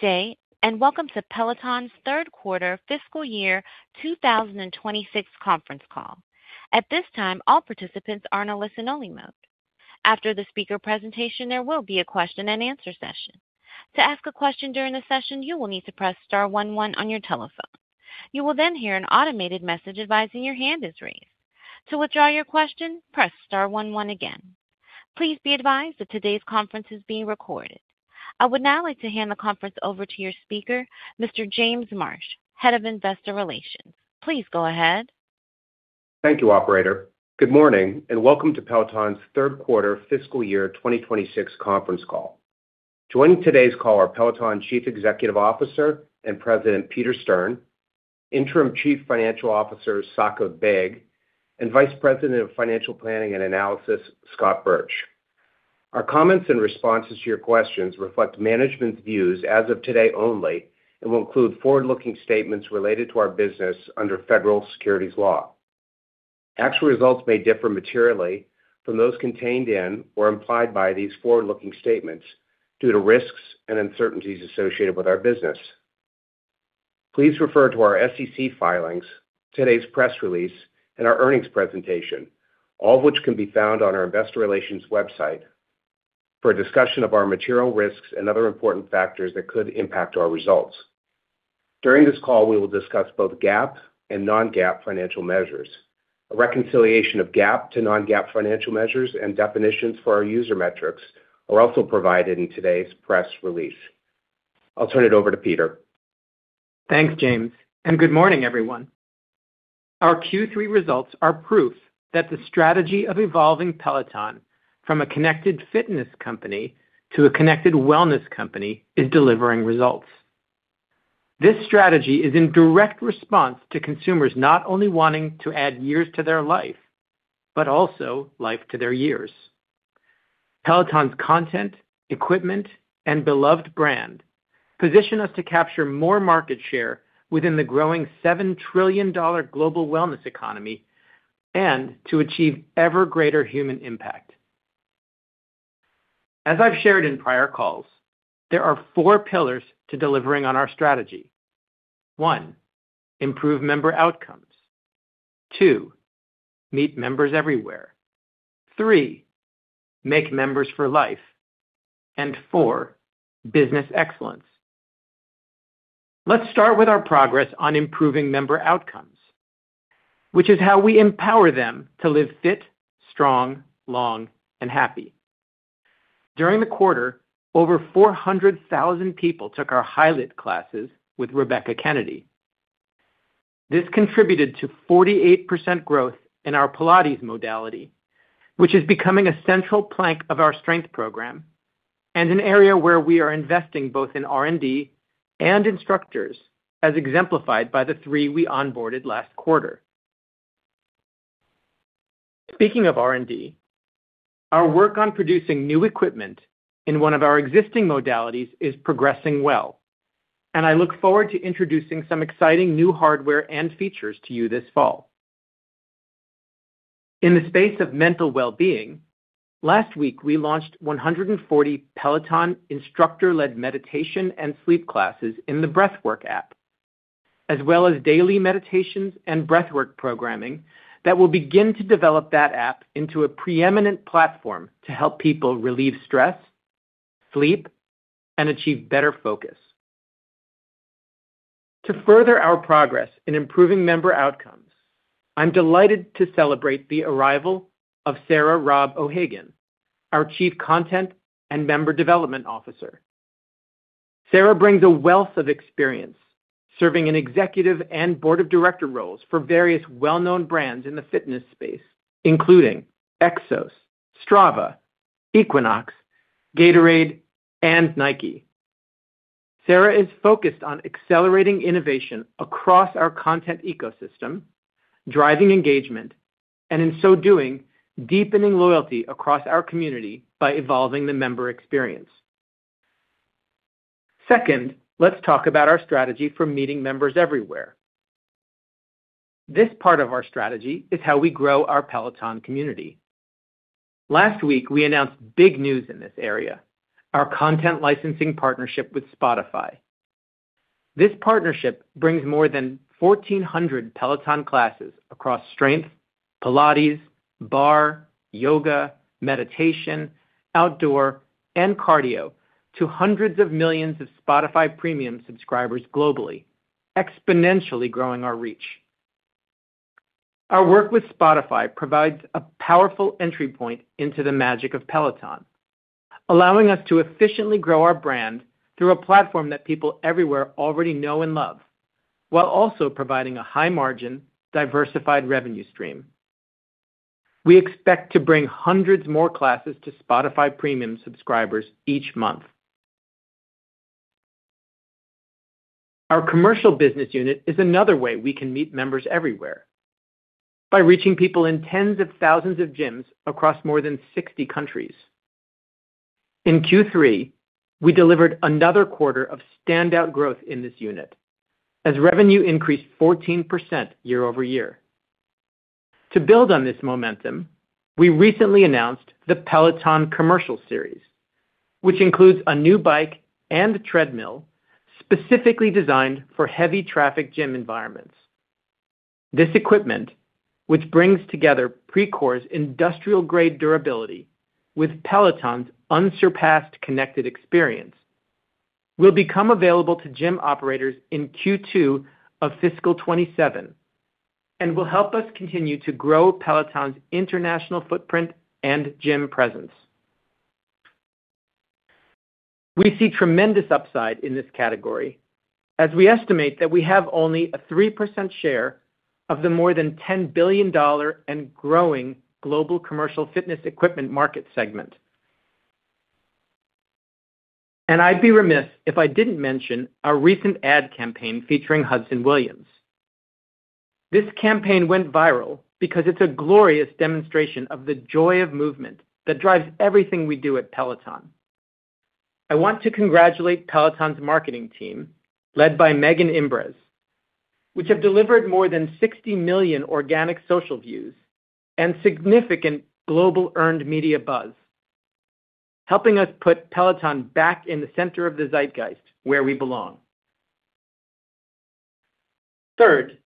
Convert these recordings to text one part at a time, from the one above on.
Good Day, and welcome to Peloton's Q3 Fiscal Year 2026 Conference Call. At this time, all participants are in a listen only mode. After the speaker presentation, there will be a question-and-answer session. To ask a question during the session, you will need to press *11 on your telephone. You will then hear an automated message advising your hand is raised. To withdraw your question, press *11 again. Please be advised that today's conference is being recorded. I would now like to hand the conference over to your speaker, Mr. James Marsh, Head of Investor Relations. Please go ahead. Thank you, operator. Good morning, and welcome to Peloton's Q3 Fiscal Year 2026 Conference Call. Joining today's call are Peloton Chief Executive Officer and President, Peter Stern, Interim Chief Financial Officer, Saqib Baig, and Vice President of Financial Planning and Analysis, Scott Burch. Our comments and responses to your questions reflect management's views as of today only and will include forward-looking statements related to our business under federal securities law. Actual results may differ materially from those contained in or implied by these forward-looking statements due to risks and uncertainties associated with our business. Please refer to our SEC filings, today's press release, and our earnings presentation, all of which can be found on our investor relations website, for a discussion of our material risks and other important factors that could impact our results. During this call, we will discuss both GAAP and non-GAAP financial measures. A reconciliation of GAAP to non-GAAP financial measures and definitions for our user metrics are also provided in today's press release. I'll turn it over to Peter. Thanks, James, and good morning, everyone. Our Q3 results are proof that the strategy of evolving Peloton from a connected fitness company to a connected wellness company is delivering results. This strategy is in direct response to consumers not only wanting to add years to their life, but also life to their years. Peloton's content, equipment, and beloved brand position us to capture more market share within the growing $7 trillion global wellness economy and to achieve ever greater human impact. As I've shared in prior calls, there are four pillars to delivering on our strategy. One, improve member outcomes. Two, meet members everywhere. Three, make members for life. Four, business excellence. Let's start with our progress on improving member outcomes, which is how we empower them to live fit, strong, long, and happy. During the quarter, over 400,000 people took our highlight classes with Rebecca Kennedy. This contributed to 48% growth in our Pilates modality, which is becoming a central plank of our strength program and an area where we are investing both in R&D and instructors, as exemplified by the three we onboarded last quarter. Speaking of R&D, our work on producing new equipment in one of our existing modalities is progressing well, and I look forward to introducing some exciting new hardware and features to you this fall. In the space of mental well-being, last week, we launched 140 Peloton instructor-led meditation and sleep classes in the Breathwrk app, as well as daily meditations and Breathwrk programming that will begin to develop that app into a preeminent platform to help people relieve stress, sleep, and achieve better focus. To further our progress in improving member outcomes, I'm delighted to celebrate the arrival of Sarah Robb O'Hagan, our Chief Content and Member Development Officer. Sarah brings a wealth of experience serving in executive and board of director roles for various well-known brands in the fitness space, including EXOS, Strava, Equinox, Gatorade, and Nike. Sarah is focused on accelerating innovation across our content ecosystem, driving engagement, and in so doing, deepening loyalty across our community by evolving the member experience. Second, let's talk about our strategy for meeting members everywhere. This part of our strategy is how we grow our Peloton community. Last week, we announced big news in this area, our content licensing partnership with Spotify. This partnership brings more than 1,400 Peloton classes across strength, Pilates, barre, yoga, meditation, outdoor, and cardio to hundreds of millions of Spotify Premium subscribers globally, exponentially growing our reach. Our work with Spotify provides a powerful entry point into the magic of Peloton, allowing us to efficiently grow our brand through a platform that people everywhere already know and love, while also providing a high-margin, diversified revenue stream. We expect to bring hundreds more classes to Spotify Premium subscribers each month. Our commercial business unit is another way we can meet members everywhere by reaching people in tens of thousands of gyms across more than 60 countries. In Q3, we delivered another quarter of standout growth in this unit, as revenue increased 14% year-over-year. To build on this momentum, we recently announced the Peloton Commercial Series, which includes a new bike and treadmill specifically designed for heavy traffic gym environments. This equipment, which brings together Precor's industrial-grade durability with Peloton's unsurpassed connected experience, will become available to gym operators in Q2 of fiscal 2027 and will help us continue to grow Peloton's international footprint and gym presence. We see tremendous upside in this category as we estimate that we have only a 3% share of the more than $10 billion and growing global commercial fitness equipment market segment. I'd be remiss if I didn't mention our recent ad campaign featuring Adrian Williams. This campaign went viral because it's a glorious demonstration of the joy of movement that drives everything we do at Peloton. I want to congratulate Peloton's marketing team, led by Megan Imbres, which have delivered more than 60 million organic social views and significant global earned media buzz, helping us put Peloton back in the center of the zeitgeist where we belong. Third,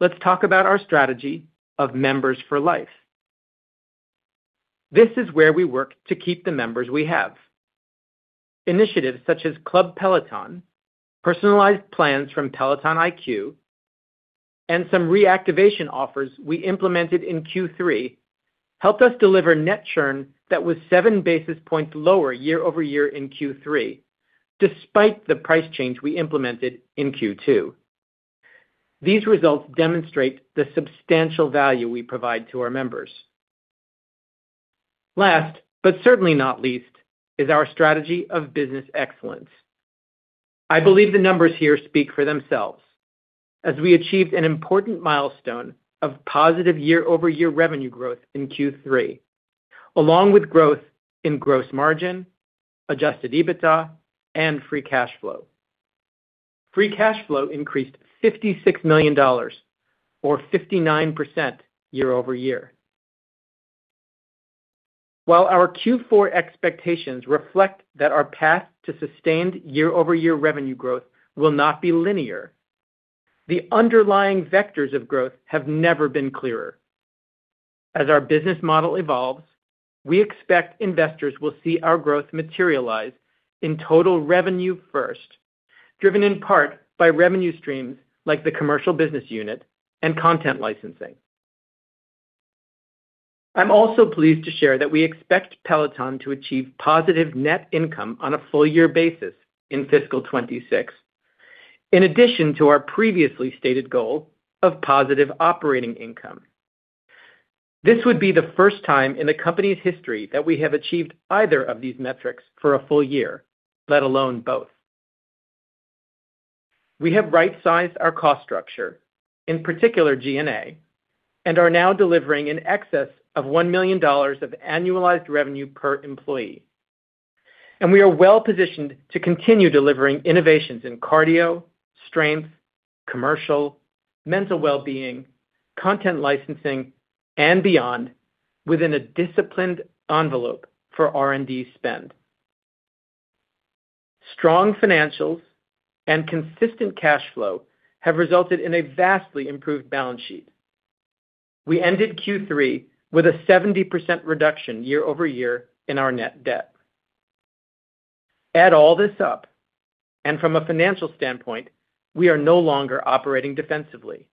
let's talk about our strategy of Members for Life. This is where we work to keep the members we have. Initiatives such as Club Peloton, personalized plans from Peloton IQ, and some reactivation offers we implemented in Q3 helped us deliver net churn that was 7 basis points lower year-over-year in Q3, despite the price change we implemented in Q2. These results demonstrate the substantial value we provide to our members. Last, but certainly not least, is our strategy of Business Excellence. I believe the numbers here speak for themselves as we achieved an important milestone of positive year-over-year revenue growth in Q3, along with growth in gross margin, adjusted EBITDA, and free cash flow. Free cash flow increased $56 million, or 59% year-over-year. While our Q4 expectations reflect that our path to sustained year-over-year revenue growth will not be linear, the underlying vectors of growth have never been clearer. As our business model evolves, we expect investors will see our growth materialize in total revenue first, driven in part by revenue streams like the commercial business unit and content licensing. I'm also pleased to share that we expect Peloton to achieve positive net income on a full year basis in fiscal 2026, in addition to our previously stated goal of positive operating income. This would be the first time in the company's history that we have achieved either of these metrics for a full year, let alone both. We have right-sized our cost structure, in particular G&A, and are now delivering in excess of $1 million of annualized revenue per employee. We are well-positioned to continue delivering innovations in cardio, strength, commercial, mental wellbeing, content licensing, and beyond within a disciplined envelope for R&D spend. Strong financials and consistent cash flow have resulted in a vastly improved balance sheet. We ended Q3 with a 70% reduction year-over-year in our net debt. Add all this up, from a financial standpoint, we are no longer operating defensively.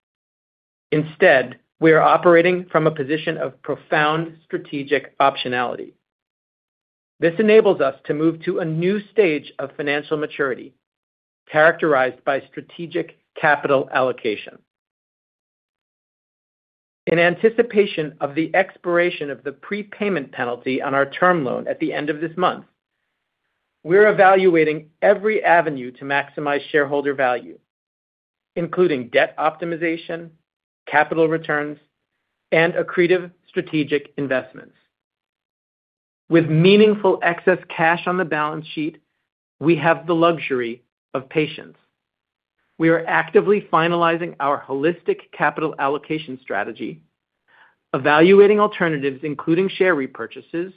Instead, we are operating from a position of profound strategic optionality. This enables us to move to a new stage of financial maturity characterized by strategic capital allocation. In anticipation of the expiration of the prepayment penalty on our term loan at the end of this month, we're evaluating every avenue to maximize shareholder value, including debt optimization, capital returns, and accretive strategic investments. With meaningful excess cash on the balance sheet, we have the luxury of patience. We are actively finalizing our holistic capital allocation strategy, evaluating alternatives including share repurchases,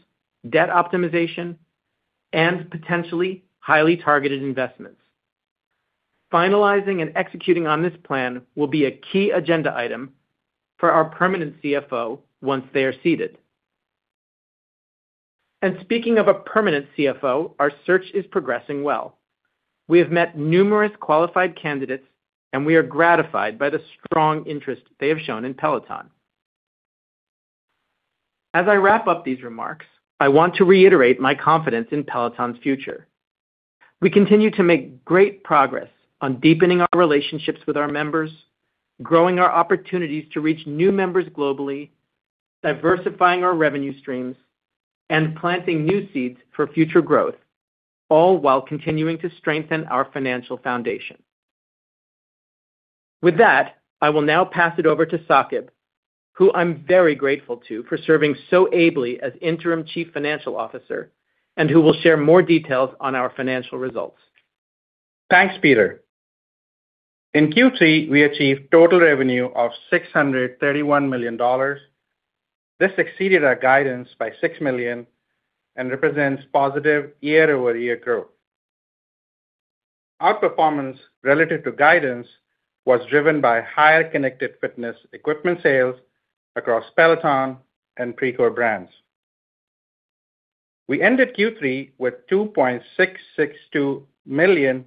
debt optimization, and potentially highly targeted investments. Finalizing and executing on this plan will be a key agenda item for our permanent CFO once they are seated. Speaking of a permanent CFO, our search is progressing well. We have met numerous qualified candidates, and we are gratified by the strong interest they have shown in Peloton. As I wrap up these remarks, I want to reiterate my confidence in Peloton's future. We continue to make great progress on deepening our relationships with our members, growing our opportunities to reach new members globally, diversifying our revenue streams, and planting new seeds for future growth, all while continuing to strengthen our financial foundation. With that, I will now pass it over to Saqib, who I'm very grateful to for serving so ably as Interim Chief Financial Officer and who will share more details on our financial results. Thanks, Peter. In Q3, we achieved total revenue of $631 million. This exceeded our guidance by $6 million and represents positive year-over-year growth. Our performance relative to guidance was driven by higher connected fitness equipment sales across Peloton and Precor brands. We ended Q3 with 2.662 million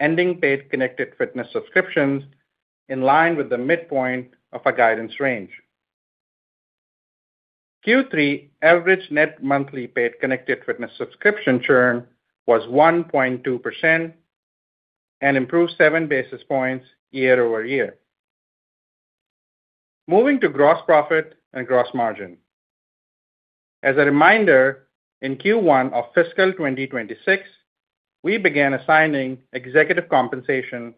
ending paid connected fitness subscriptions, in line with the midpoint of our guidance range. Q3 average net monthly paid connected fitness subscription churn was 1.2% and improved 7 basis points year-over-year. Moving to gross profit and gross margin. As a reminder, in Q1 of fiscal 2026, we began assigning executive compensation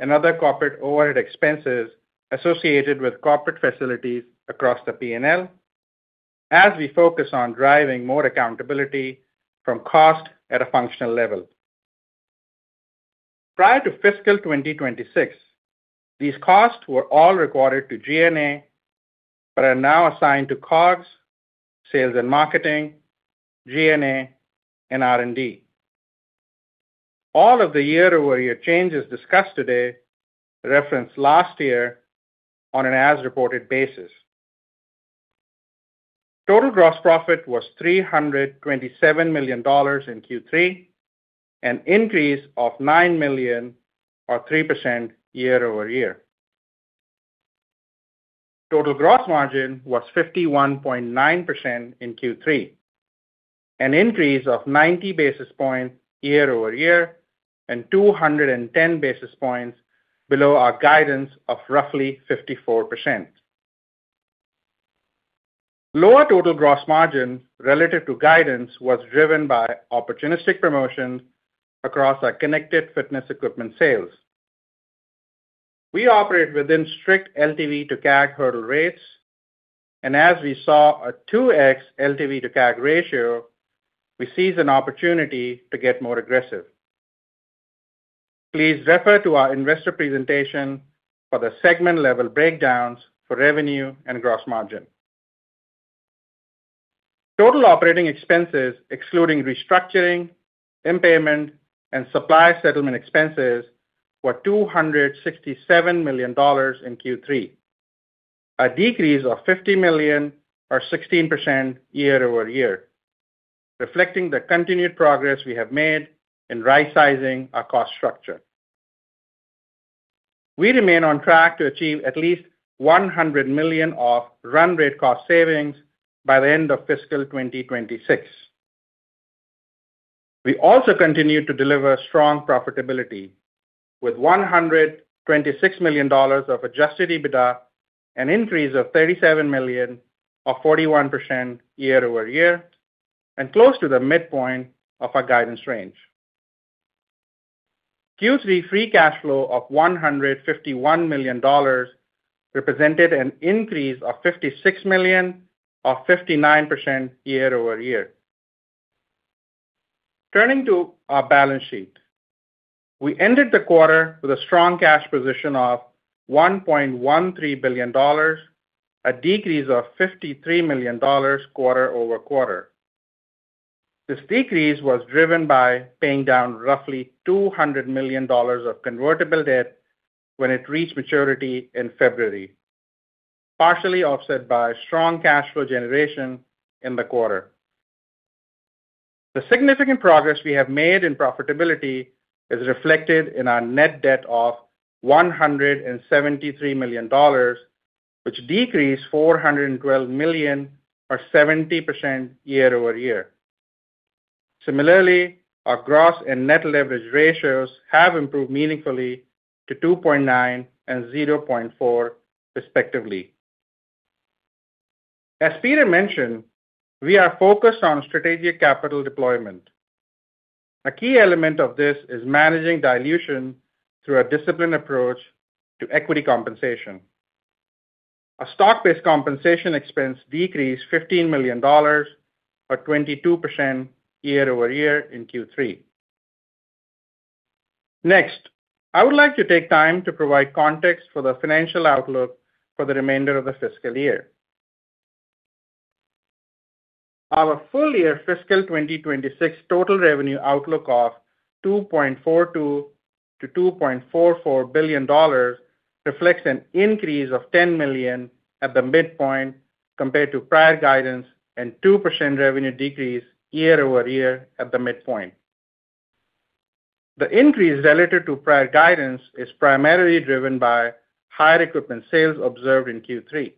and other corporate overhead expenses associated with corporate facilities across the P&L as we focus on driving more accountability from cost at a functional level. Prior to fiscal 2026, these costs were all recorded to G&A, but are now assigned to COGS, sales and marketing, G&A, and R&D. All of the year-over-year changes discussed today reference last year on an as-reported basis. Total gross profit was $327 million in Q3, an increase of $9 million or 3% year-over-year. Total gross margin was 51.9% in Q3, an increase of 90 basis points year-over-year and 210 basis points below our guidance of roughly 54%. Lower total gross margin relative to guidance was driven by opportunistic promotions across our connected fitness equipment sales. We operate within strict LTV to CAC hurdle rates, and as we saw a 2x LTV to CAC ratio, we seized an opportunity to get more aggressive. Please refer to our investor presentation for the segment-level breakdowns for revenue and gross margin. Total operating expenses, excluding restructuring, impairment, and supply settlement expenses, were $267 million in Q3, a decrease of $50 million or 16% year-over-year, reflecting the continued progress we have made in rightsizing our cost structure. We remain on track to achieve at least $100 million of run rate cost savings by the end of fiscal 2026. We also continue to deliver strong profitability with $126 million of adjusted EBITDA, an increase of $37 million or 41% year-over-year, and close to the midpoint of our guidance range. Q3 free cash flow of $151 million represented an increase of $56 million or 59% year-over-year. Turning to our balance sheet. We ended the quarter with a strong cash position of $1.13 billion, a decrease of $53 million quarter-over-quarter. This decrease was driven by paying down roughly $200 million of convertible debt when it reached maturity in February, partially offset by strong cash flow generation in the quarter. The significant progress we have made in profitability is reflected in our net debt of $173 million, which decreased $412 million or 70% year-over-year. Similarly, our gross and net leverage ratios have improved meaningfully to 2.9 and 0.4 respectively. As Peter mentioned, we are focused on strategic capital deployment. A key element of this is managing dilution through a disciplined approach to equity compensation. Our stock-based compensation expense decreased $15 million or 22% year-over-year in Q3. Next, I would like to take time to provide context for the financial outlook for the remainder of the fiscal year. Our full year fiscal 2026 total revenue outlook of $2.42 billion-$2.44 billion reflects an increase of $10 million at the midpoint compared to prior guidance and 2% revenue decrease year-over-year at the midpoint. The increase related to prior guidance is primarily driven by higher equipment sales observed in Q3.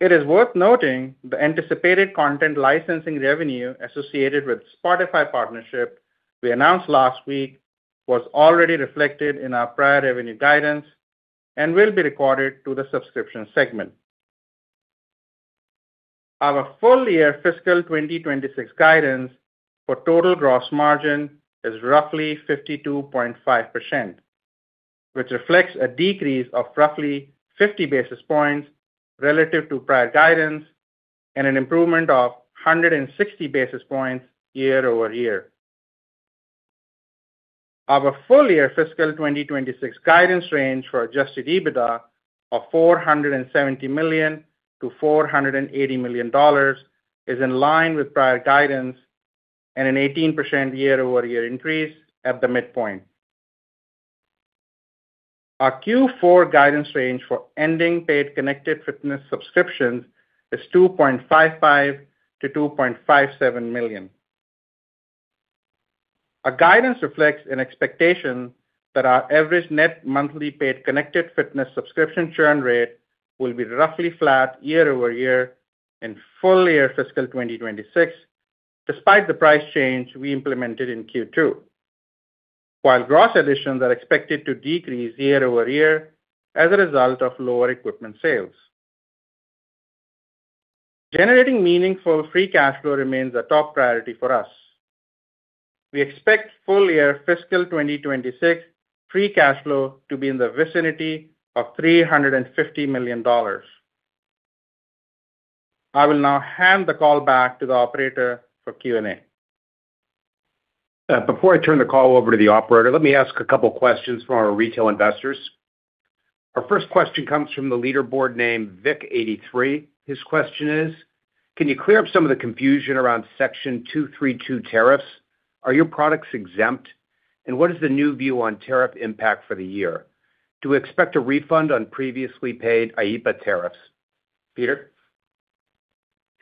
It is worth noting the anticipated content licensing revenue associated with Spotify partnership we announced last week was already reflected in our prior revenue guidance and will be recorded to the subscription segment. Our full year fiscal 2026 guidance for total gross margin is roughly 52.5%. Which reflects a decrease of roughly 50 basis points relative to prior guidance and an improvement of 160 basis points year-over-year. Our full year fiscal 2026 guidance range for adjusted EBITDA of $470 million-$480 million is in line with prior guidance and an 18% year-over-year increase at the midpoint. Our Q4 guidance range for ending paid connected fitness subscriptions is 2.55 million-2.57 million. Our guidance reflects an expectation that our average net monthly paid connected fitness subscription churn rate will be roughly flat year-over-year in full year fiscal 2026, despite the price change we implemented in Q2. Gross additions are expected to decrease year-over-year as a result of lower equipment sales. Generating meaningful free cash flow remains a top priority for us. We expect full year fiscal 2026 free cash flow to be in the vicinity of $350 million. I will now hand the call back to the operator for Q&A. Before I turn the call over to the operator, let me ask a couple questions from our Retail Investors. Our first question comes from the leaderboard named Vic83. His question is: Can you clear up some of the confusion around Section 232 tariffs? Are your products exempt? What is the new view on tariff impact for the year? Do we expect a refund on previously paid IEEPA tariffs? Peter.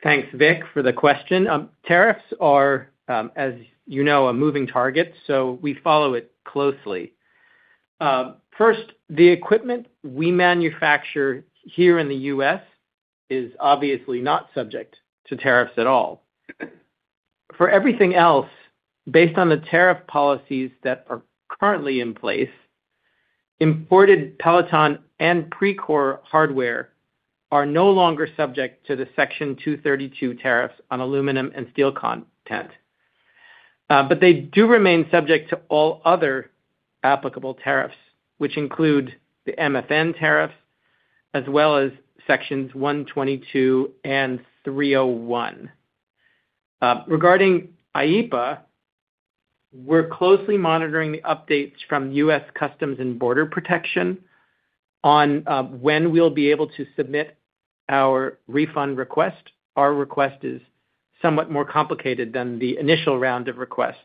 Thanks, Vic, for the question. Tariffs are, as you know, a moving target. We follow it closely. First, the equipment we manufacture here in the U.S. is obviously not subject to tariffs at all. For everything else, based on the tariff policies that are currently in place, imported Peloton and Precor hardware are no longer subject to the Section 232 tariffs on aluminum and steel content. They do remain subject to all other applicable tariffs, which include the MFN tariff as well as Sections 122 and 301. Regarding IEEPA, we're closely monitoring the updates from U.S. Customs and Border Protection on when we'll be able to submit our refund request. Our request is somewhat more complicated than the initial round of requests.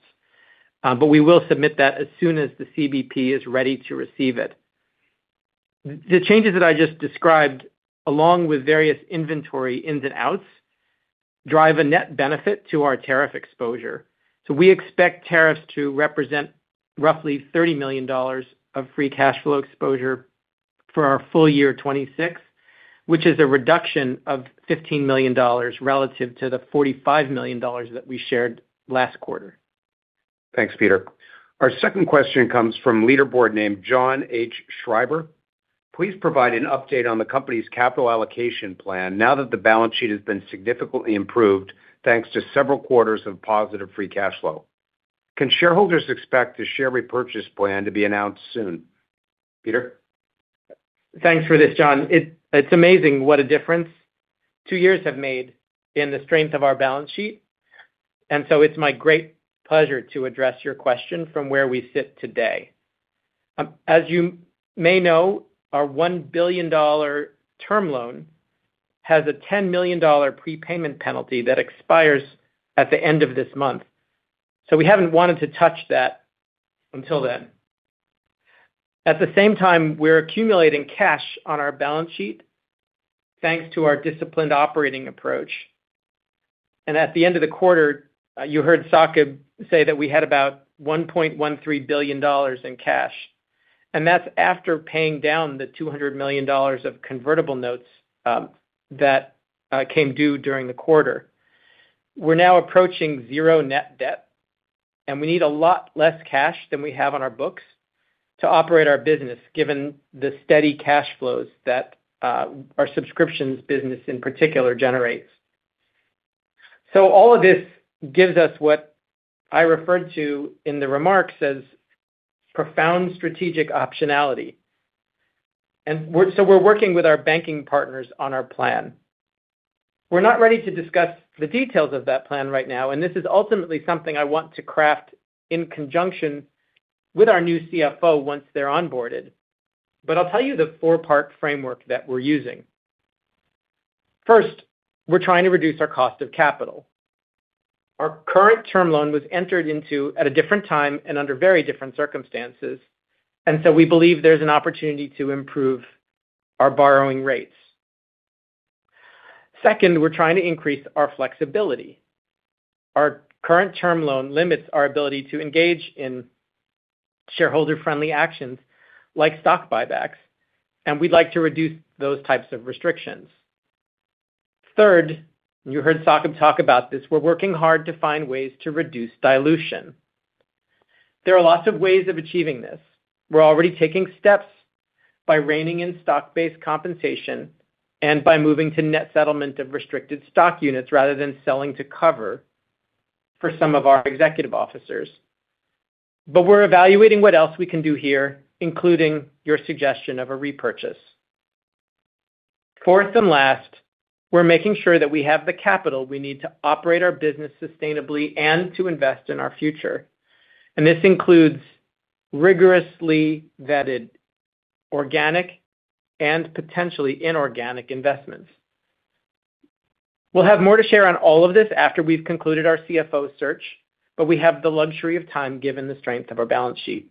We will submit that as soon as the CBP is ready to receive it. The changes that I just described, along with various inventory ins and outs, drive a net benefit to our tariff exposure. We expect tariffs to represent roughly $30 million of free cash flow exposure for our full year 2026, which is a reduction of $15 million relative to the $45 million that we shared last quarter. Thanks, Peter. Our second question comes from leaderboard named John H. Schreiber. Please provide an update on the company's capital allocation plan now that the balance sheet has been significantly improved, thanks to several quarters of positive free cash flow. Can shareholders expect a share repurchase plan to be announced soon? Peter. Thanks for this, John. It's amazing what a difference two years have made in the strength of our balance sheet. It's my great pleasure to address your question from where we sit today. As you may know, our $1 billion term loan has a $10 million prepayment penalty that expires at the end of this month. We haven't wanted to touch that until then. At the same time, we're accumulating cash on our balance sheet, thanks to our disciplined operating approach. At the end of the quarter, you heard Saqib say that we had about $1.13 billion in cash. That's after paying down the $200 million of convertible notes that came due during the quarter. We're now approaching zero net debt, we need a lot less cash than we have on our books to operate our business, given the steady cash flows that our subscriptions business in particular generates. All of this gives us what I referred to in the remarks as profound strategic optionality. We're working with our banking partners on our plan. We're not ready to discuss the details of that plan right now, this is ultimately something I want to craft in conjunction with our new CFO once they're onboarded. I'll tell you the 4-part framework that we're using. First, we're trying to reduce our cost of capital. Our current term loan was entered into at a different time and under very different circumstances, we believe there's an opportunity to improve our borrowing rates. Second, we're trying to increase our flexibility. Our current term loan limits our ability to engage in shareholder-friendly actions like stock buybacks, and we'd like to reduce those types of restrictions. Third, you heard Saqib talk about this, we're working hard to find ways to reduce dilution. There are lots of ways of achieving this. We're already taking steps by reining in stock-based compensation and by moving to net settlement of restricted stock units rather than selling to cover for some of our executive officers. We're evaluating what else we can do here, including your suggestion of a repurchase. Fourth and last, we're making sure that we have the capital we need to operate our business sustainably and to invest in our future. This includes rigorously vetted organic and potentially inorganic investments. We'll have more to share on all of this after we've concluded our CFO search, but we have the luxury of time given the strength of our balance sheet.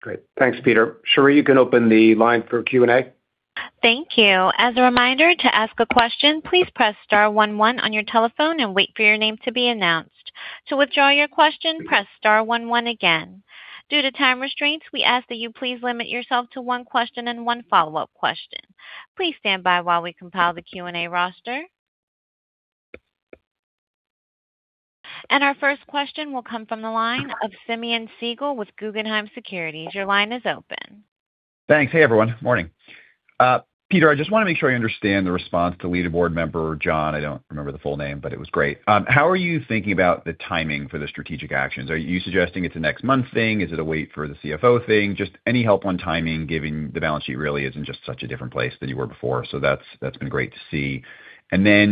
Great. Thanks, Peter. Cherie, you can open the line for Q&A. Thank you. As a reminder to ask a question, please press *11 on your telephone and wait for your name to be announced. To withdraw your question, press *11 again. Due to time restraints, we ask that you please limit yourself to one question and one follow-up question. Please stand by while we compile the Q&A roster. Our first question will come from the line of Simeon Siegel with Guggenheim Securities. Your line is open. Thanks. Hey, everyone. Morning. Peter, I just wanna make sure I understand the response to leaderboard member John. I don't remember the full name, but it was great. How are you thinking about the timing for the strategic actions? Are you suggesting it's a next month thing? Is it a wait for the CFO thing? Just any help on timing, giving the balance sheet really is in just such a different place than you were before. That's been great to see.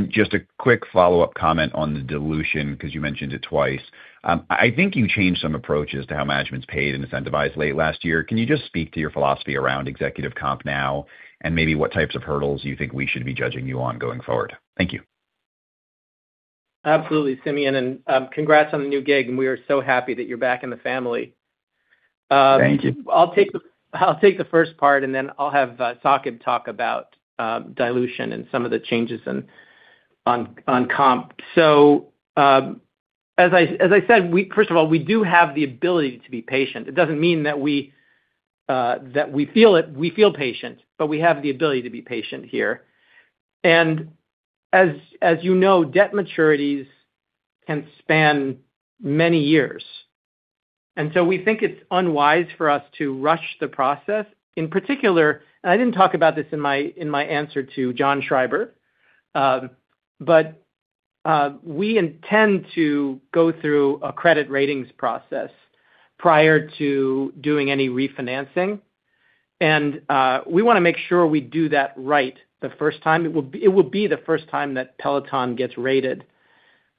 Just a quick follow-up comment on the dilution, 'cause you mentioned it twice. I think you changed some approaches to how management's paid and incentivized late last year. Can you just speak to your philosophy around executive comp now and maybe what types of hurdles you think we should be judging you on going forward? Thank you. Absolutely, Simeon, and congrats on the new gig, and we are so happy that you're back in the family. Thank you. I'll take the first part, and then I'll have Saqib talk about dilution and some of the changes on comp. As I said, First of all, we do have the ability to be patient. It doesn't mean that we that we feel it. We feel patient, but we have the ability to be patient here. As you know, debt maturities can span many years. We think it's unwise for us to rush the process. In particular, I didn't talk about this in my answer to John H. Schreiber, we intend to go through a credit ratings process prior to doing any refinancing. We wanna make sure we do that right the first time. It will be the first time that Peloton gets rated.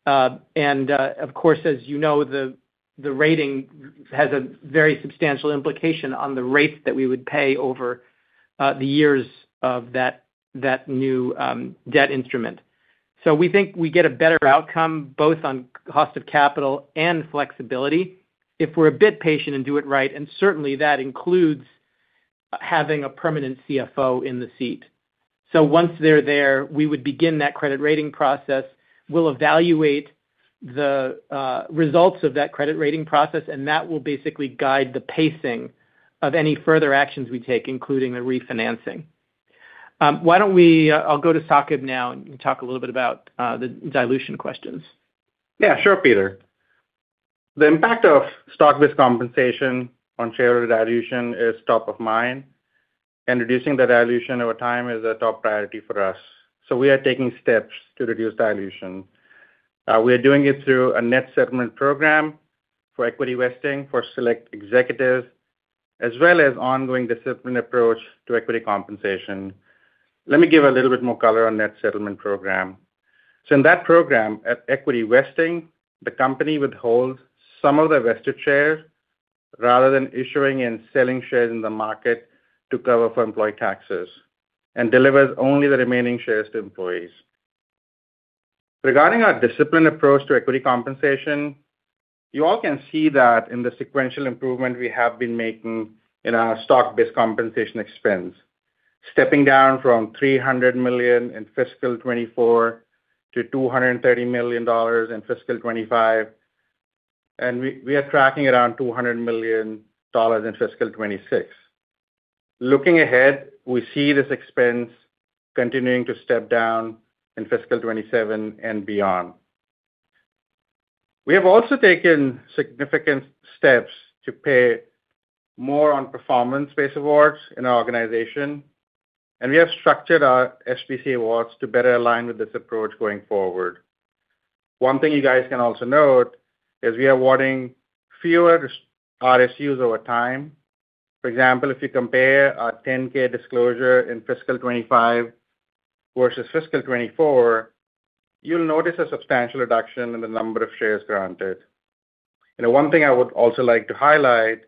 Of course, as you know, the rating has a very substantial implication on the rates that we would pay over the years of that new debt instrument. We think we get a better outcome, both on cost of capital and flexibility, if we're a bit patient and do it right, and certainly that includes having a permanent CFO in the seat. Once they're there, we would begin that credit rating process. We'll evaluate the results of that credit rating process, and that will basically guide the pacing of any further actions we take, including the refinancing. Why don't we, I'll go to Saqib now, and you can talk a little bit about the dilution questions. Yeah, sure, Peter. The impact of stock-based compensation on share dilution is top of mind, and reducing the dilution over time is a top priority for us. We are taking steps to reduce dilution. We are doing it through a net settlement program for equity vesting for select executives, as well as ongoing disciplined approach to equity compensation. Let me give a little bit more color on net settlement program. In that program, at equity vesting, the company would hold some of the vested shares rather than issuing and selling shares in the market to cover for employee taxes and delivers only the remaining shares to employees. Regarding our disciplined approach to equity compensation, you all can see that in the sequential improvement we have been making in our stock-based compensation expense. Stepping down from $300 million in fiscal 2024 to $230 million in fiscal 2025, we are tracking around $200 million in fiscal 2026. Looking ahead, we see this expense continuing to step down in fiscal 2027 and beyond. We have also taken significant steps to pay more on performance-based awards in our organization, and we have structured our SBC awards to better align with this approach going forward. One thing you guys can also note is we are awarding fewer RSUs over time. For example, if you compare our 10-K disclosure in fiscal 2025 versus fiscal 2024, you'll notice a substantial reduction in the number of shares granted. One thing I would also like to highlight,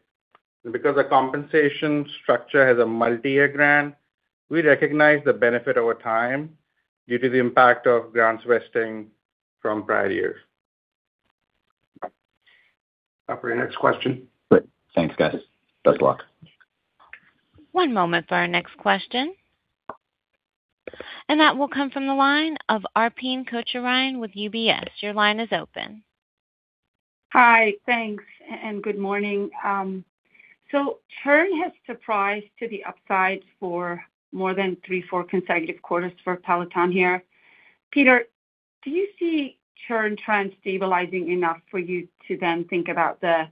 because the compensation structure has a multi-year grant, we recognize the benefit over time due to the impact of grants vesting from prior years. Operator next question. Great. Thanks, guys. Best of luck. One moment for our next question. That will come from the line of Arpine Kocharian with UBS. Your line is open. Hi. Thanks, and good morning. Churn has surprised to the upside for more than three, four consecutive quarters for Peloton here. Peter, do you see churn trend stabilizing enough for you to then think about the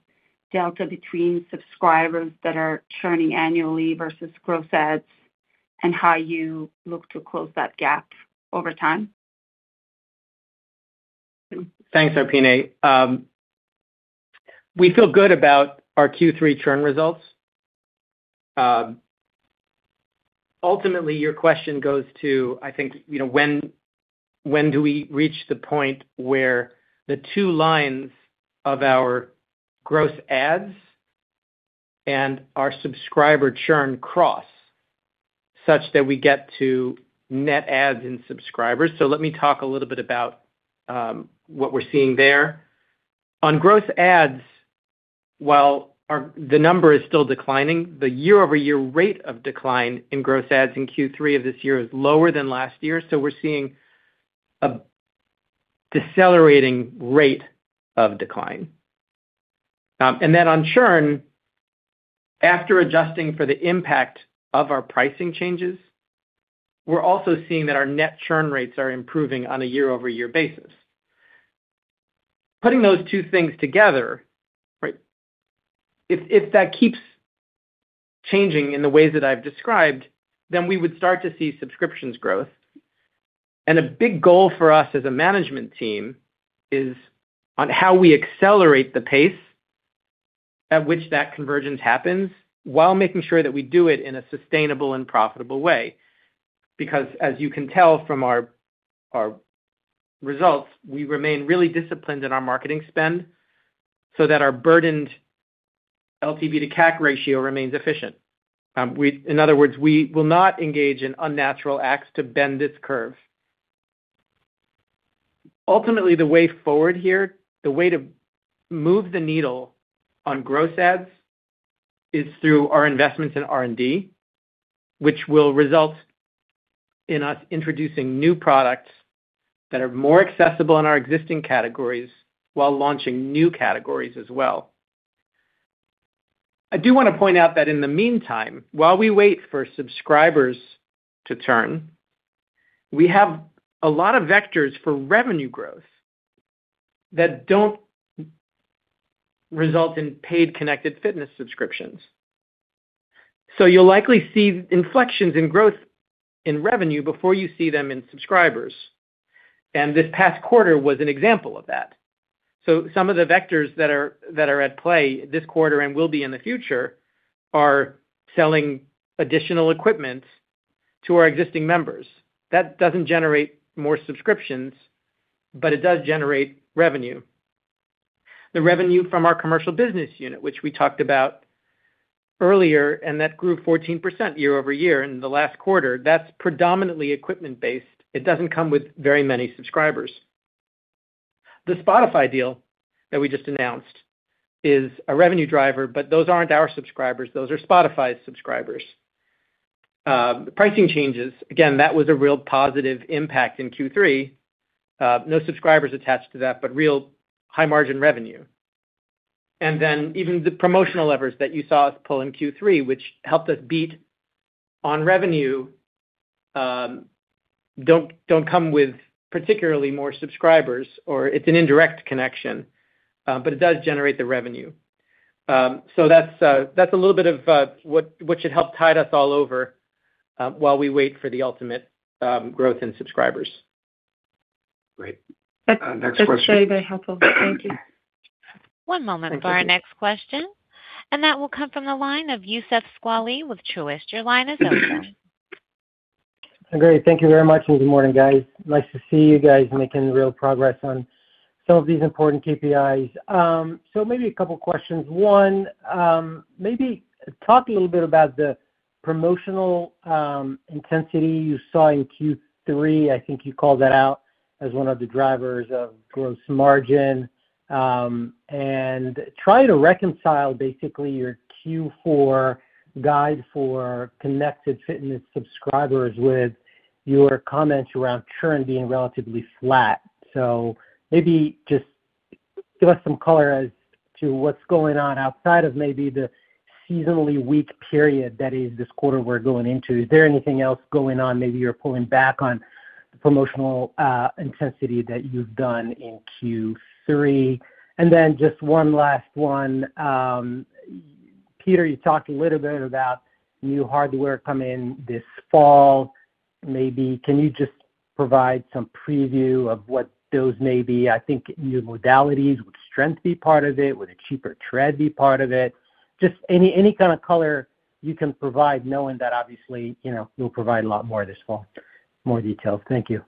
delta between subscribers that are churning annually versus gross adds? How you look to close that gap over time? Thanks, Arpine. We feel good about our Q3 churn results. Ultimately, your question goes to, I think, you know, when do we reach the point where the two lines of our gross adds and our subscriber churn cross such that we get to net adds and subscribers. Let me talk a little bit about what we're seeing there. On gross adds, while the number is still declining, the year-over-year rate of decline in gross adds in Q3 of this year is lower than last year. We're seeing a decelerating rate of decline. On churn, after adjusting for the impact of our pricing changes, we're also seeing that our net churn rates are improving on a year-over-year basis. Putting those two things together, right? If that keeps changing in the ways that I've described, then we would start to see subscriptions growth. A big goal for us as a management team is on how we accelerate the pace at which that convergence happens while making sure that we do it in a sustainable and profitable way. Because as you can tell from our results, we remain really disciplined in our marketing spend so that our burdened LTV to CAC ratio remains efficient. In other words, we will not engage in unnatural acts to bend this curve. Ultimately, the way forward here, the way to move the needle on gross adds is through our investments in R&D, which will result in us introducing new products that are more accessible in our existing categories while launching new categories as well. I do wanna point out that in the meantime, while we wait for subscribers to turn, we have a lot of vectors for revenue growth that don't result in paid connected fitness subscriptions. You'll likely see inflections in growth in revenue before you see them in subscribers, and this past quarter was an example of that. Some of the vectors that are at play this quarter and will be in the future are selling additional equipment to our existing members. That doesn't generate more subscriptions, but it does generate revenue. The revenue from our Commercial Business Unit, which we talked about earlier, and that grew 14% year-over-year in the last quarter. That's predominantly equipment-based. It doesn't come with very many subscribers. The Spotify deal that we just announced is a revenue driver, but those aren't our subscribers, those are Spotify subscribers. The pricing changes, again, that was a real positive impact in Q3. No subscribers attached to that, but real high-margin revenue. Even the promotional levers that you saw us pull in Q3, which helped us beat on revenue, don't come with particularly more subscribers, or it's an indirect connection, but it does generate the revenue. So that's a little bit of what should help tide us all over while we wait for the ultimate growth in subscribers. Great. Next question. That's very, very helpful. Thank you. One moment for our next question. That will come from the line of Youssef Squali with Truist. Your line is open. Great. Thank you very much, good morning, guys. Nice to see you guys making real progress on some of these important KPIs. Maybe a couple questions. One, maybe talk a little bit about the promotional intensity you saw in Q3. I think you called that out as one of the drivers of gross margin. Try to reconcile basically your Q4 guide for connected fitness subscribers with your comments around churn being relatively flat. Maybe just give us some color as to what's going on outside of maybe the seasonally weak period that is this quarter we're going into. Is there anything else going on? Maybe you're pulling back on promotional intensity that you've done in Q3. Then just one last one. Peter, you talked a little bit about new hardware coming this fall. Maybe can you just provide some preview of what those may be? I think new modalities. Would strength be part of it? Would a cheaper tread be part of it? Just any kind of color you can provide, knowing that obviously, you know, you'll provide a lot more this fall, more details. Thank you.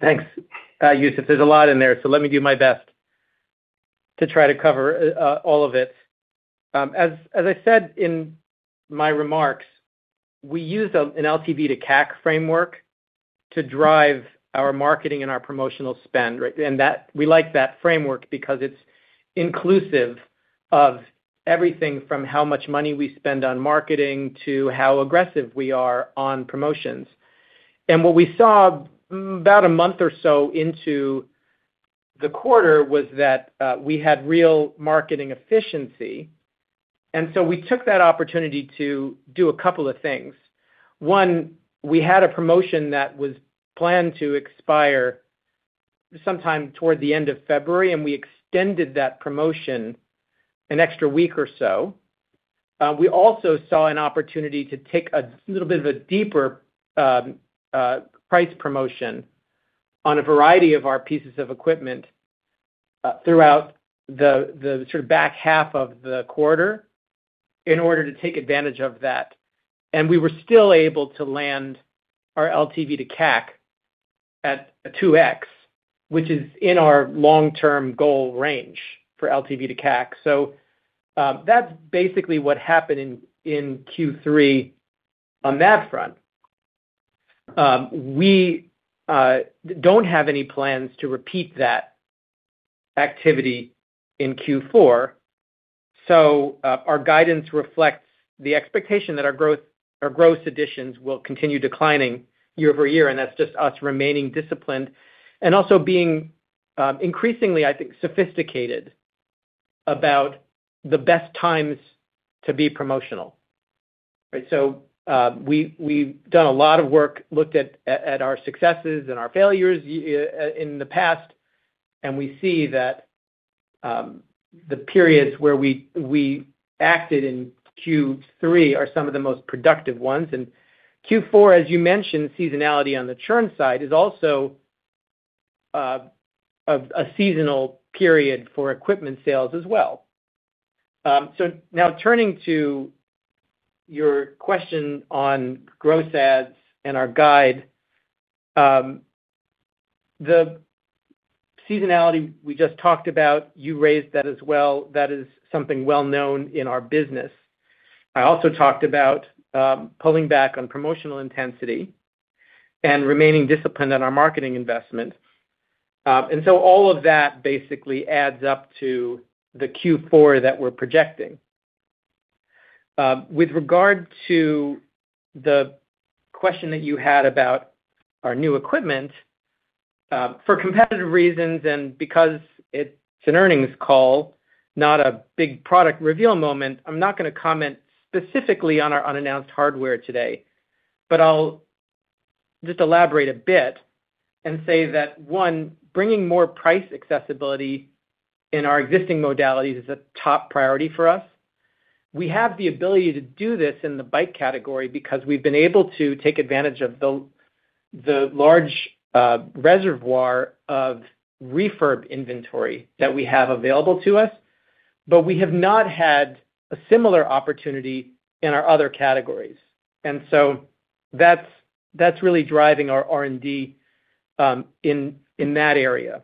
Thanks, Youssef. There's a lot in there. Let me do my best to try to cover all of it. As I said in my remarks, we use an LTV to CAC framework to drive our marketing and our promotional spend, right? We like that framework because it's inclusive of everything from how much money we spend on marketing to how aggressive we are on promotions. What we saw about a month or so into the quarter was that we had real marketing efficiency. We took that opportunity to do a couple of things. One, we had a promotion that was planned to expire sometime toward the end of February. We extended that promotion an extra week or so. We also saw an opportunity to take a little bit of a deeper price promotion on a variety of our pieces of equipment throughout the sort of back half of the quarter in order to take advantage of that. We were still able to land our LTV to CAC at 2x, which is in our long-term goal range for LTV to CAC. That's basically what happened in Q3 on that front. We don't have any plans to repeat that activity in Q4. Our guidance reflects the expectation that our growth, our gross additions will continue declining year-over-year, and that's just us remaining disciplined. Also being increasingly, I think, sophisticated about the best times to be promotional. We've done a lot of work, looked at our successes and our failures in the past, and we see that the periods where we acted in Q3 are some of the most productive ones. Q4, as you mentioned, seasonality on the churn side is also a seasonal period for equipment sales as well. Now turning to your question on gross adds and our guide. The seasonality we just talked about, you raised that as well. That is something well known in our business. I also talked about pulling back on promotional intensity and remaining disciplined on our marketing investment. All of that basically adds up to the Q4 that we're projecting. With regard to the question that you had about our new equipment, for competitive reasons and because it's an earnings call, not a big product reveal moment, I'm not gonna comment specifically on our unannounced hardware today. I'll just elaborate a bit and say that, one, bringing more price accessibility in our existing modalities is a top priority for us. We have the ability to do this in the bike category because we've been able to take advantage of the large reservoir of refurb inventory that we have available to us. We have not had a similar opportunity in our other categories. That's really driving our R&D in that area.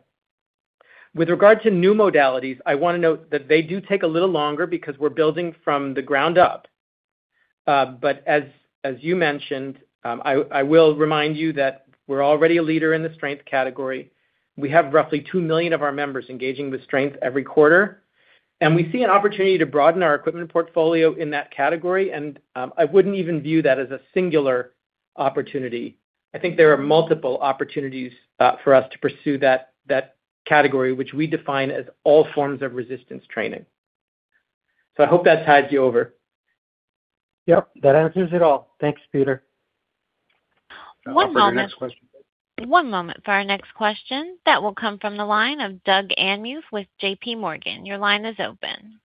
With regard to new modalities, I wanna note that they do take a little longer because we're building from the ground up. As you mentioned, I will remind you that we're already a leader in the strength category. We have roughly 2 million of our members engaging with strength every quarter. We see an opportunity to broaden our equipment portfolio in that category. I wouldn't even view that as a singular opportunity. I think there are multiple opportunities for us to pursue that category, which we define as all forms of resistance training. I hope that tides you over. Yep, that answers it all. Thanks, Peter. One moment- I'll go to the next question. One moment for our next question. That will come from the line of Doug Anmuth with JPMorgan. Your line is open.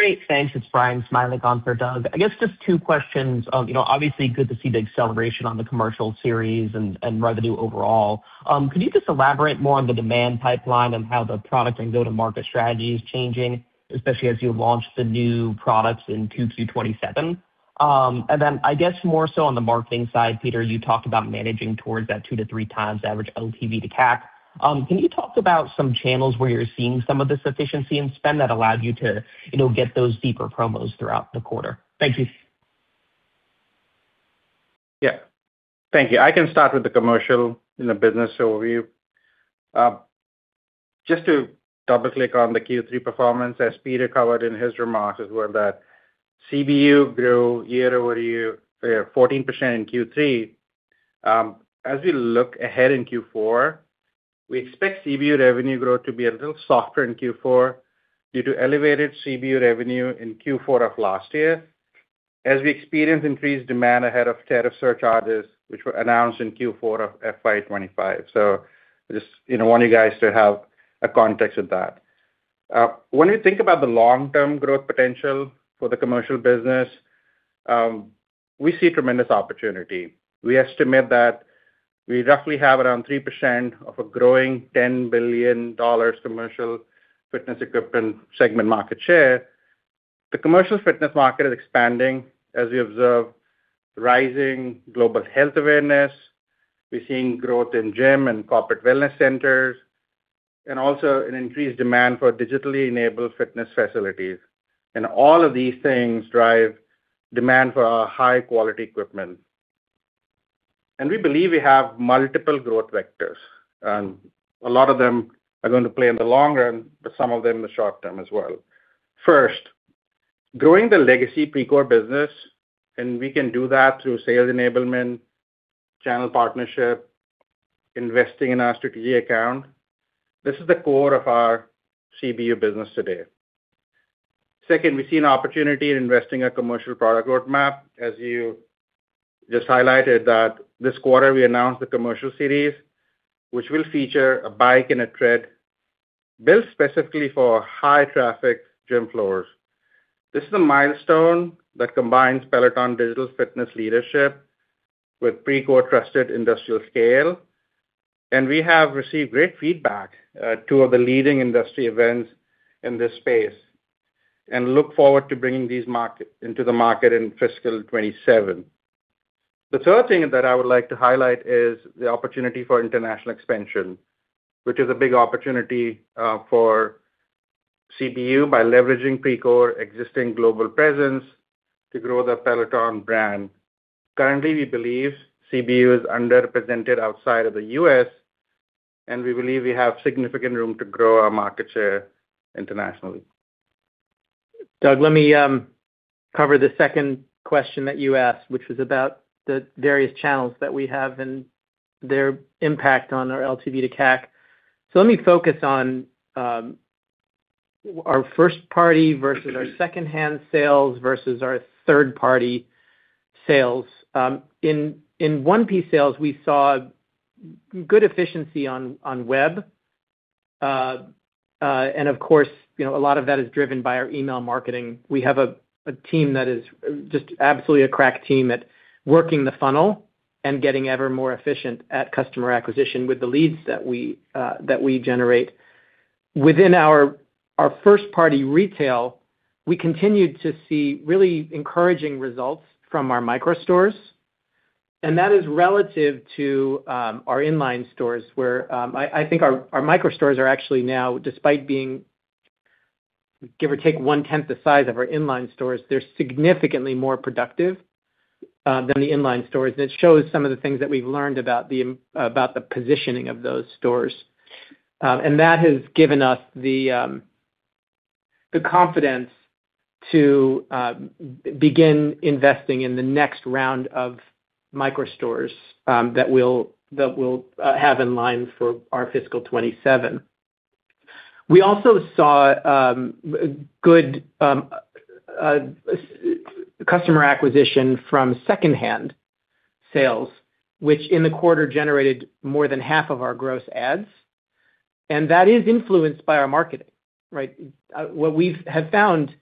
Great. Thanks. It's Bryan Smilek on for Doug. I guess just two questions. You know, obviously good to see the acceleration on the Commercial Series and revenue overall. Could you just elaborate more on the demand pipeline and how the product and go-to-market strategy is changing, especially as you launch the new products in 2027? Then I guess more so on the marketing side, Peter, you talked about managing towards that two to three times average LTV to CAC. Can you talk about some channels where you're seeing some of this efficiency and spend that allowed you to, you know, get those deeper promos throughout the quarter? Thank you. Yeah. Thank you. I can start with the commercial and the business overview. Just to double-click on the Q3 performance, as Peter covered in his remarks, is where that CBU grew year-over-year 14% in Q3. As we look ahead in Q4, we expect CBU revenue growth to be a little softer in Q4 due to elevated CBU revenue in Q4 of last year as we experienced increased demand ahead of tariff surcharges, which were announced in Q4 of FY 2025. We just, you know, want you guys to have a context of that. When we think about the long-term growth potential for the commercial business, we see tremendous opportunity. We estimate that we roughly have around 3% of a growing $10 billion commercial fitness equipment segment market share. The commercial fitness market is expanding as we observe rising global health awareness. We're seeing growth in gym and corporate wellness centers, also an increased demand for digitally enabled fitness facilities. All of these things drive demand for our high-quality equipment. We believe we have multiple growth vectors, and a lot of them are gonna play in the long run, but some of them in the short term as well. First, growing the legacy Precor business, we can do that through sales enablement, channel partnership, investing in our strategy account. This is the core of our CBU business today. We see an opportunity in investing a commercial product roadmap. You just highlighted that this quarter we announced the Commercial Series, which will feature a bike and a tread built specifically for high traffic gym floors. This is a milestone that combines Peloton digital fitness leadership with Precor trusted industrial scale, and we have received great feedback, two of the leading industry events in this space and look forward to bringing these into the market in fiscal 2027. The third thing that I would like to highlight is the opportunity for international expansion, which is a big opportunity for CBU by leveraging Precor existing global presence to grow the Peloton brand. Currently, we believe CBU is underrepresented outside of the U.S., and we believe we have significant room to grow our market share internationally. Let me cover the second question that you asked, which was about the various channels that we have and their impact on our LTV to CAC. Let me focus on our first party versus our secondhand sales versus our third party sales. In 1P sales, we saw good efficiency on web. Of course, you know, a lot of that is driven by our email marketing. We have a team that is just absolutely a crack team at working the funnel and getting ever more efficient at customer acquisition with the leads that we generate. Within our first party retail, we continued to see really encouraging results from our micro stores. That is relative to our in-line stores, where I think our micro stores are actually now, despite being, give or take 1/10 the size of our in-line stores, they're significantly more productive than the in-line stores. It shows some of the things that we've learned about the about the positioning of those stores. That has given us the confidence to begin investing in the next round of micro stores that we'll have in line for our fiscal 2027. We also saw good customer acquisition from secondhand sales, which in the quarter generated more than half of our gross adds, and that is influenced by our marketing, right? What we've found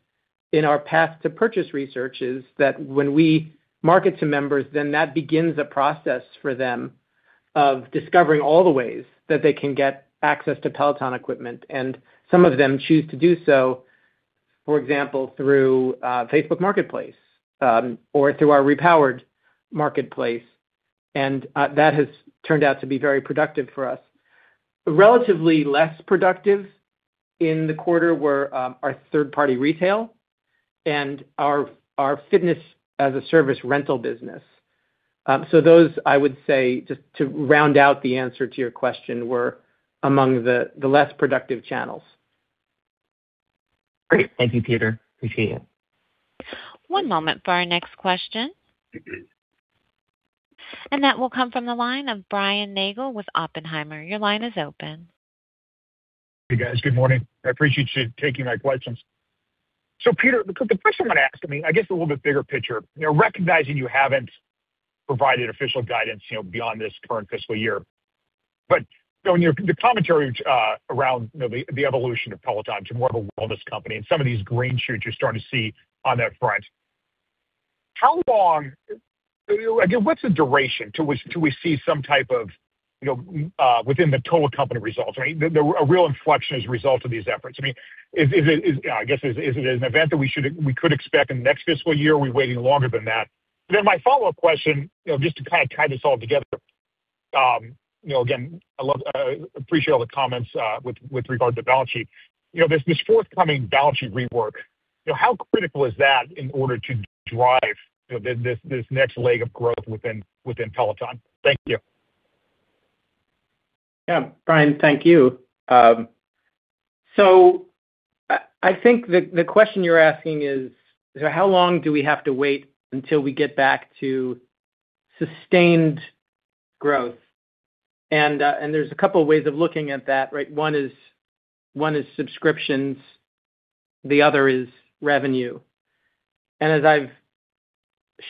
in our path to purchase research is that when we market to members, then that begins a process for them of discovering all the ways that they can get access to Peloton equipment. Some of them choose to do so, for example, through Facebook Marketplace, or through our Repowered marketplace. That has turned out to be very productive for us. Relatively less productive in the quarter were our third-party retail and our fitness as a service rental business. Those, I would say, just to round out the answer to your question, were among the less productive channels. Great. Thank you, Peter. Appreciate it. One moment for our next question. That will come from the line of Brian Nagel with Oppenheimer. Your line is open. Hey, guys. Good morning. I appreciate you taking my questions. Peter, the question I'm asking, I guess a little bit bigger picture. You know, recognizing you haven't provided official guidance, you know, beyond this current fiscal year. In your-- the commentary, around, you know, the evolution of Peloton to more of a wellness company and some of these green shoots you're starting to see on that front, how long Again, what's the duration till we see some type of, you know, within the total company results, right? The a real inflection as a result of these efforts. I mean, is it I guess, is it an event that we could expect in the next fiscal year? Are we waiting longer than that? My follow-up question, you know, just to kinda tie this all together, you know, again, I appreciate all the comments with regards to balance sheet. You know, this forthcoming balance sheet rework, you know, how critical is that in order to drive, you know, this next leg of growth within Peloton? Thank you. Brian, thank you. I think the question you're asking is how long do we have to wait until we get back to sustained growth? There's a couple of ways of looking at that, right? One is subscriptions, the other is revenue. As I've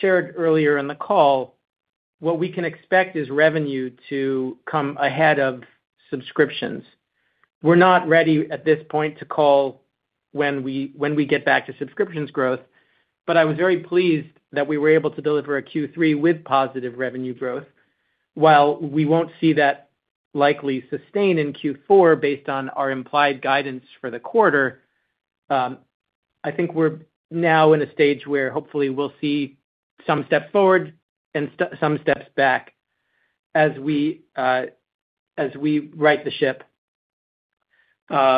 shared earlier in the call, what we can expect is revenue to come ahead of subscriptions. We're not ready at this point to call when we get back to subscriptions growth. I was very pleased that we were able to deliver a Q3 with positive revenue growth. While we won't see that likely sustain in Q4 based on our implied guidance for the quarter, I think we're now in a stage where hopefully we'll see some steps forward and some steps back as we right the ship. The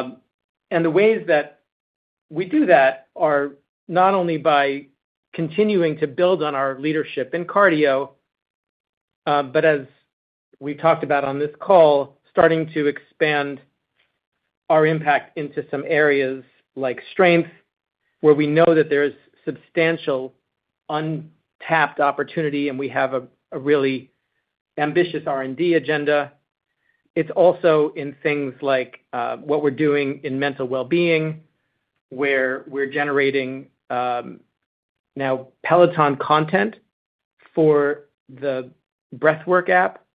ways that we do that are not only by continuing to build on our leadership in cardio, but as we talked about on this call, starting to expand our impact into some areas like strength, where we know that there is substantial untapped opportunity, and we have a really ambitious R&D agenda. It's also in things like what we're doing in mental well-being, where we're generating now Peloton content for the Breathwrk app,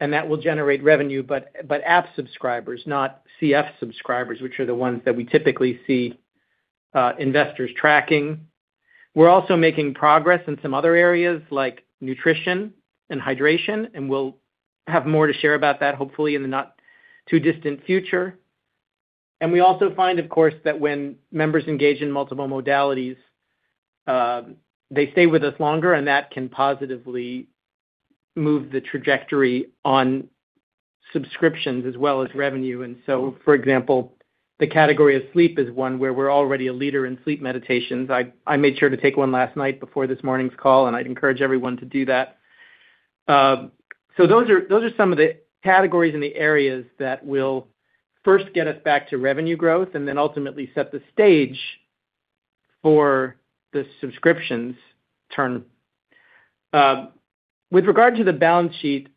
and that will generate revenue, but app subscribers, not CF subscribers, which are the ones that we typically see investors tracking. We're also making progress in some other areas like nutrition and hydration, and we'll have more to share about that hopefully in the not too distant future. We also find, of course, that when members engage in multiple modalities, they stay with us longer, and that can positively move the trajectory on subscriptions as well as revenue. For example, the category of sleep is one where we're already a leader in sleep meditations. I made sure to take one last night before this morning's call, and I'd encourage everyone to do that. Those are some of the categories and the areas that will first get us back to revenue growth and then ultimately set the stage for the subscriptions turn. With regard to the balance sheet,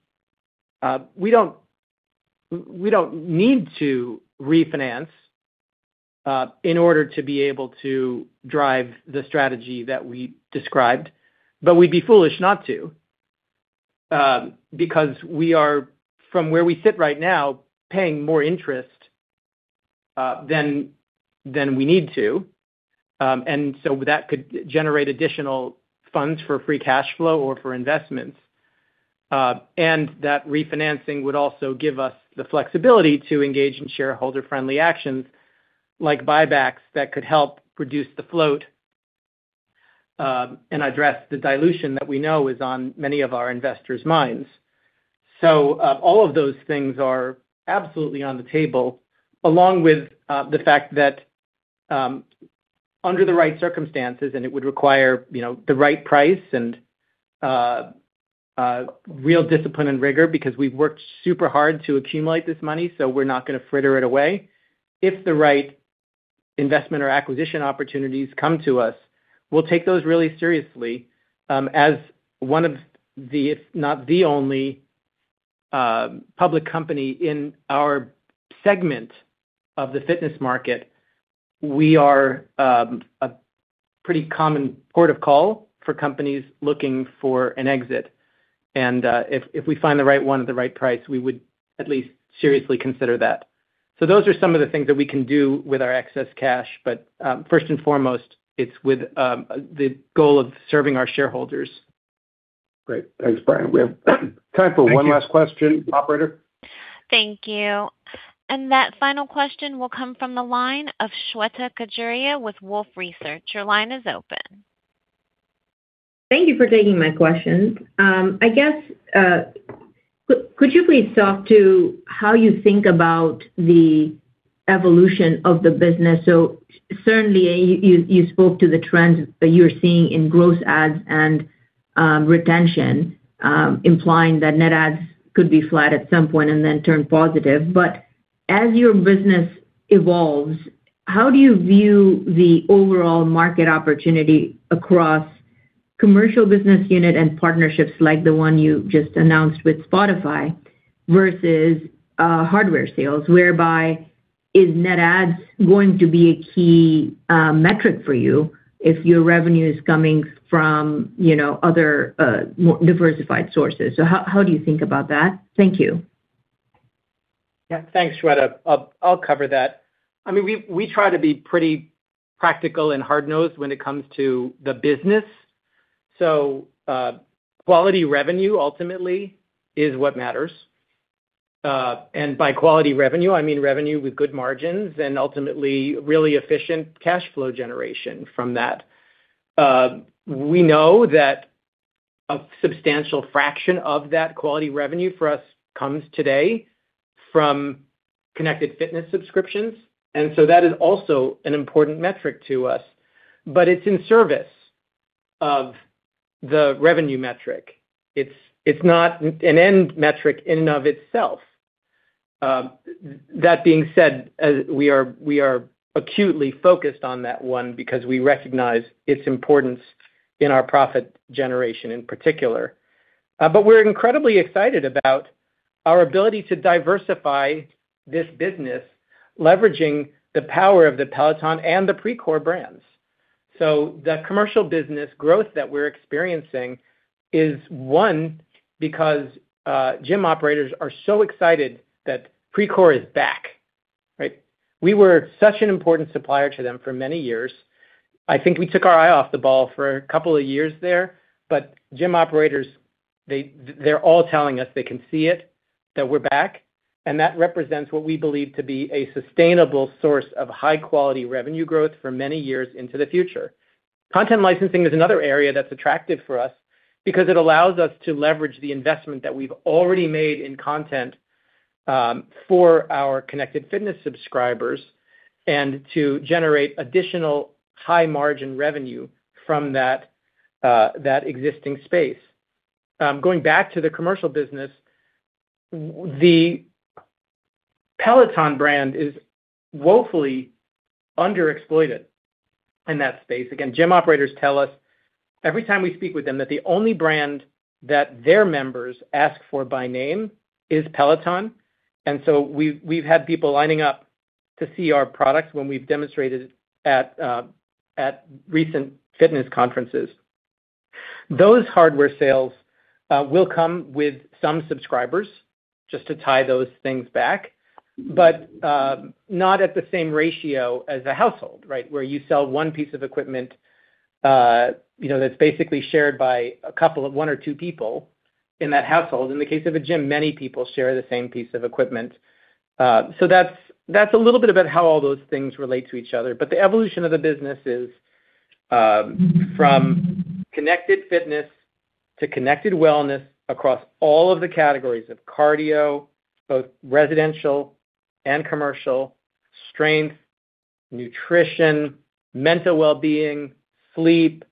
we don't need to refinance in order to be able to drive the strategy that we described. We'd be foolish not to, because we are, from where we sit right now, paying more interest than we need to. That could generate additional funds for free cash flow or for investments. That refinancing would also give us the flexibility to engage in shareholder-friendly actions like buybacks that could help reduce the float and address the dilution that we know is on many of our investors' minds. All of those things are absolutely on the table, along with the fact that under the right circumstances, and it would require, you know, the right price and real discipline and rigor, because we've worked super hard to accumulate this money, so we're not gonna fritter it away. If the right investment or acquisition opportunities come to us, we'll take those really seriously. As one of the, if not the only, public company in our segment of the fitness market, we are a pretty common port of call for companies looking for an exit. If, if we find the right one at the right price, we would at least seriously consider that. Those are some of the things that we can do with our excess cash. First and foremost, it's with the goal of serving our shareholders. Great. Thanks, Brian. We have time for one last question. Operator? Thank you. That final question will come from the line of Shweta Khajuria with Wolfe Research. Your line is open. Thank you for taking my question. I guess, could you please talk to how you think about the evolution of the business? Certainly, you spoke to the trends that you're seeing in gross adds and retention, implying that net adds could be flat at some point and then turn positive. As your business evolves, how do you view the overall market opportunity across commercial business unit and partnerships like the one you just announced with Spotify versus hardware sales, whereby is net adds going to be a key metric for you if your revenue is coming from, you know, other diversified sources? How do you think about that? Thank you. Yeah. Thanks, Shweta. I'll cover that. I mean, we try to be pretty practical and hard-nosed when it comes to the business. Quality revenue ultimately is what matters. By quality revenue, I mean revenue with good margins and ultimately really efficient cash flow generation from that. We know that a substantial fraction of that quality revenue for us comes today from connected fitness subscriptions, that is also an important metric to us. It's in service of the revenue metric. It's not an end metric in and of itself. That being said, we are acutely focused on that one because we recognize its importance in our profit generation in particular. We're incredibly excited about our ability to diversify this business, leveraging the power of the Peloton and the Precor brands. The commercial business growth that we're experiencing is, one, because gym operators are so excited that Precor is back, right? We were such an important supplier to them for many years. I think we took our eye off the ball for a couple of years there. Gym operators, they're all telling us they can see it, that we're back, and that represents what we believe to be a sustainable source of high-quality revenue growth for many years into the future. Content licensing is another area that's attractive for us because it allows us to leverage the investment that we've already made in content, for our connected fitness subscribers and to generate additional high-margin revenue from that existing space. Going back to the commercial business, Peloton brand is woefully underexploited in that space. Gym operators tell us every time we speak with them that the only brand that their members ask for by name is Peloton. We've had people lining up to see our products when we've demonstrated at recent fitness conferences. Those hardware sales will come with some subscribers just to tie those things back, but not at the same ratio as a household, right? Where you sell 1 piece of equipment, you know, that's basically shared by a couple of 1 or 2 people in that household. In the case of a gym, many people share the same piece of equipment. That's a little bit about how all those things relate to each other. The evolution of the business is from connected fitness to connected wellness across all of the categories of cardio, both residential and commercial, strength, nutrition, mental wellbeing, sleep,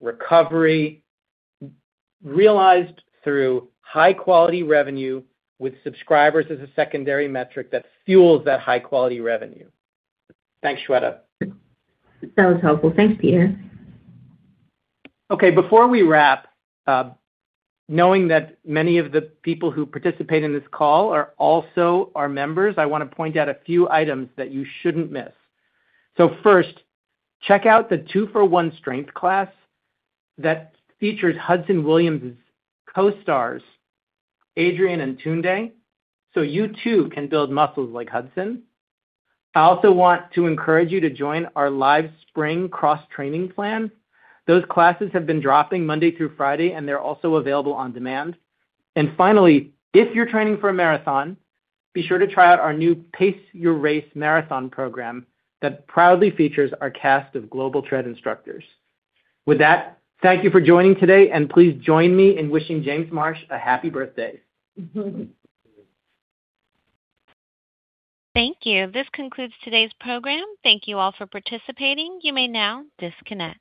recovery, realized through high-quality revenue with subscribers as a secondary metric that fuels that high-quality revenue. Thanks, Shweta. That was helpful. Thanks, Peter. Before we wrap, knowing that many of the people who participate in this call are also our members, I wanna point out a few items that you shouldn't miss. First, check out the 2-for-1 strength class that features Adrian Williams co-star and Tunde, so you too can build muscles like Hudson. I also want to encourage you to join our live spring cross-training plan. Those classes have been dropping Monday through Friday, and they're also available on demand. Finally, if you're training for a marathon, be sure to try out our new Pace Your Race marathon program that proudly features our cast of global Tread instructors. With that, thank you for joining today, and please join me in wishing James Marsh a happy birthday. Thank you. This concludes today's program. Thank you all for participating. You may now disconnect.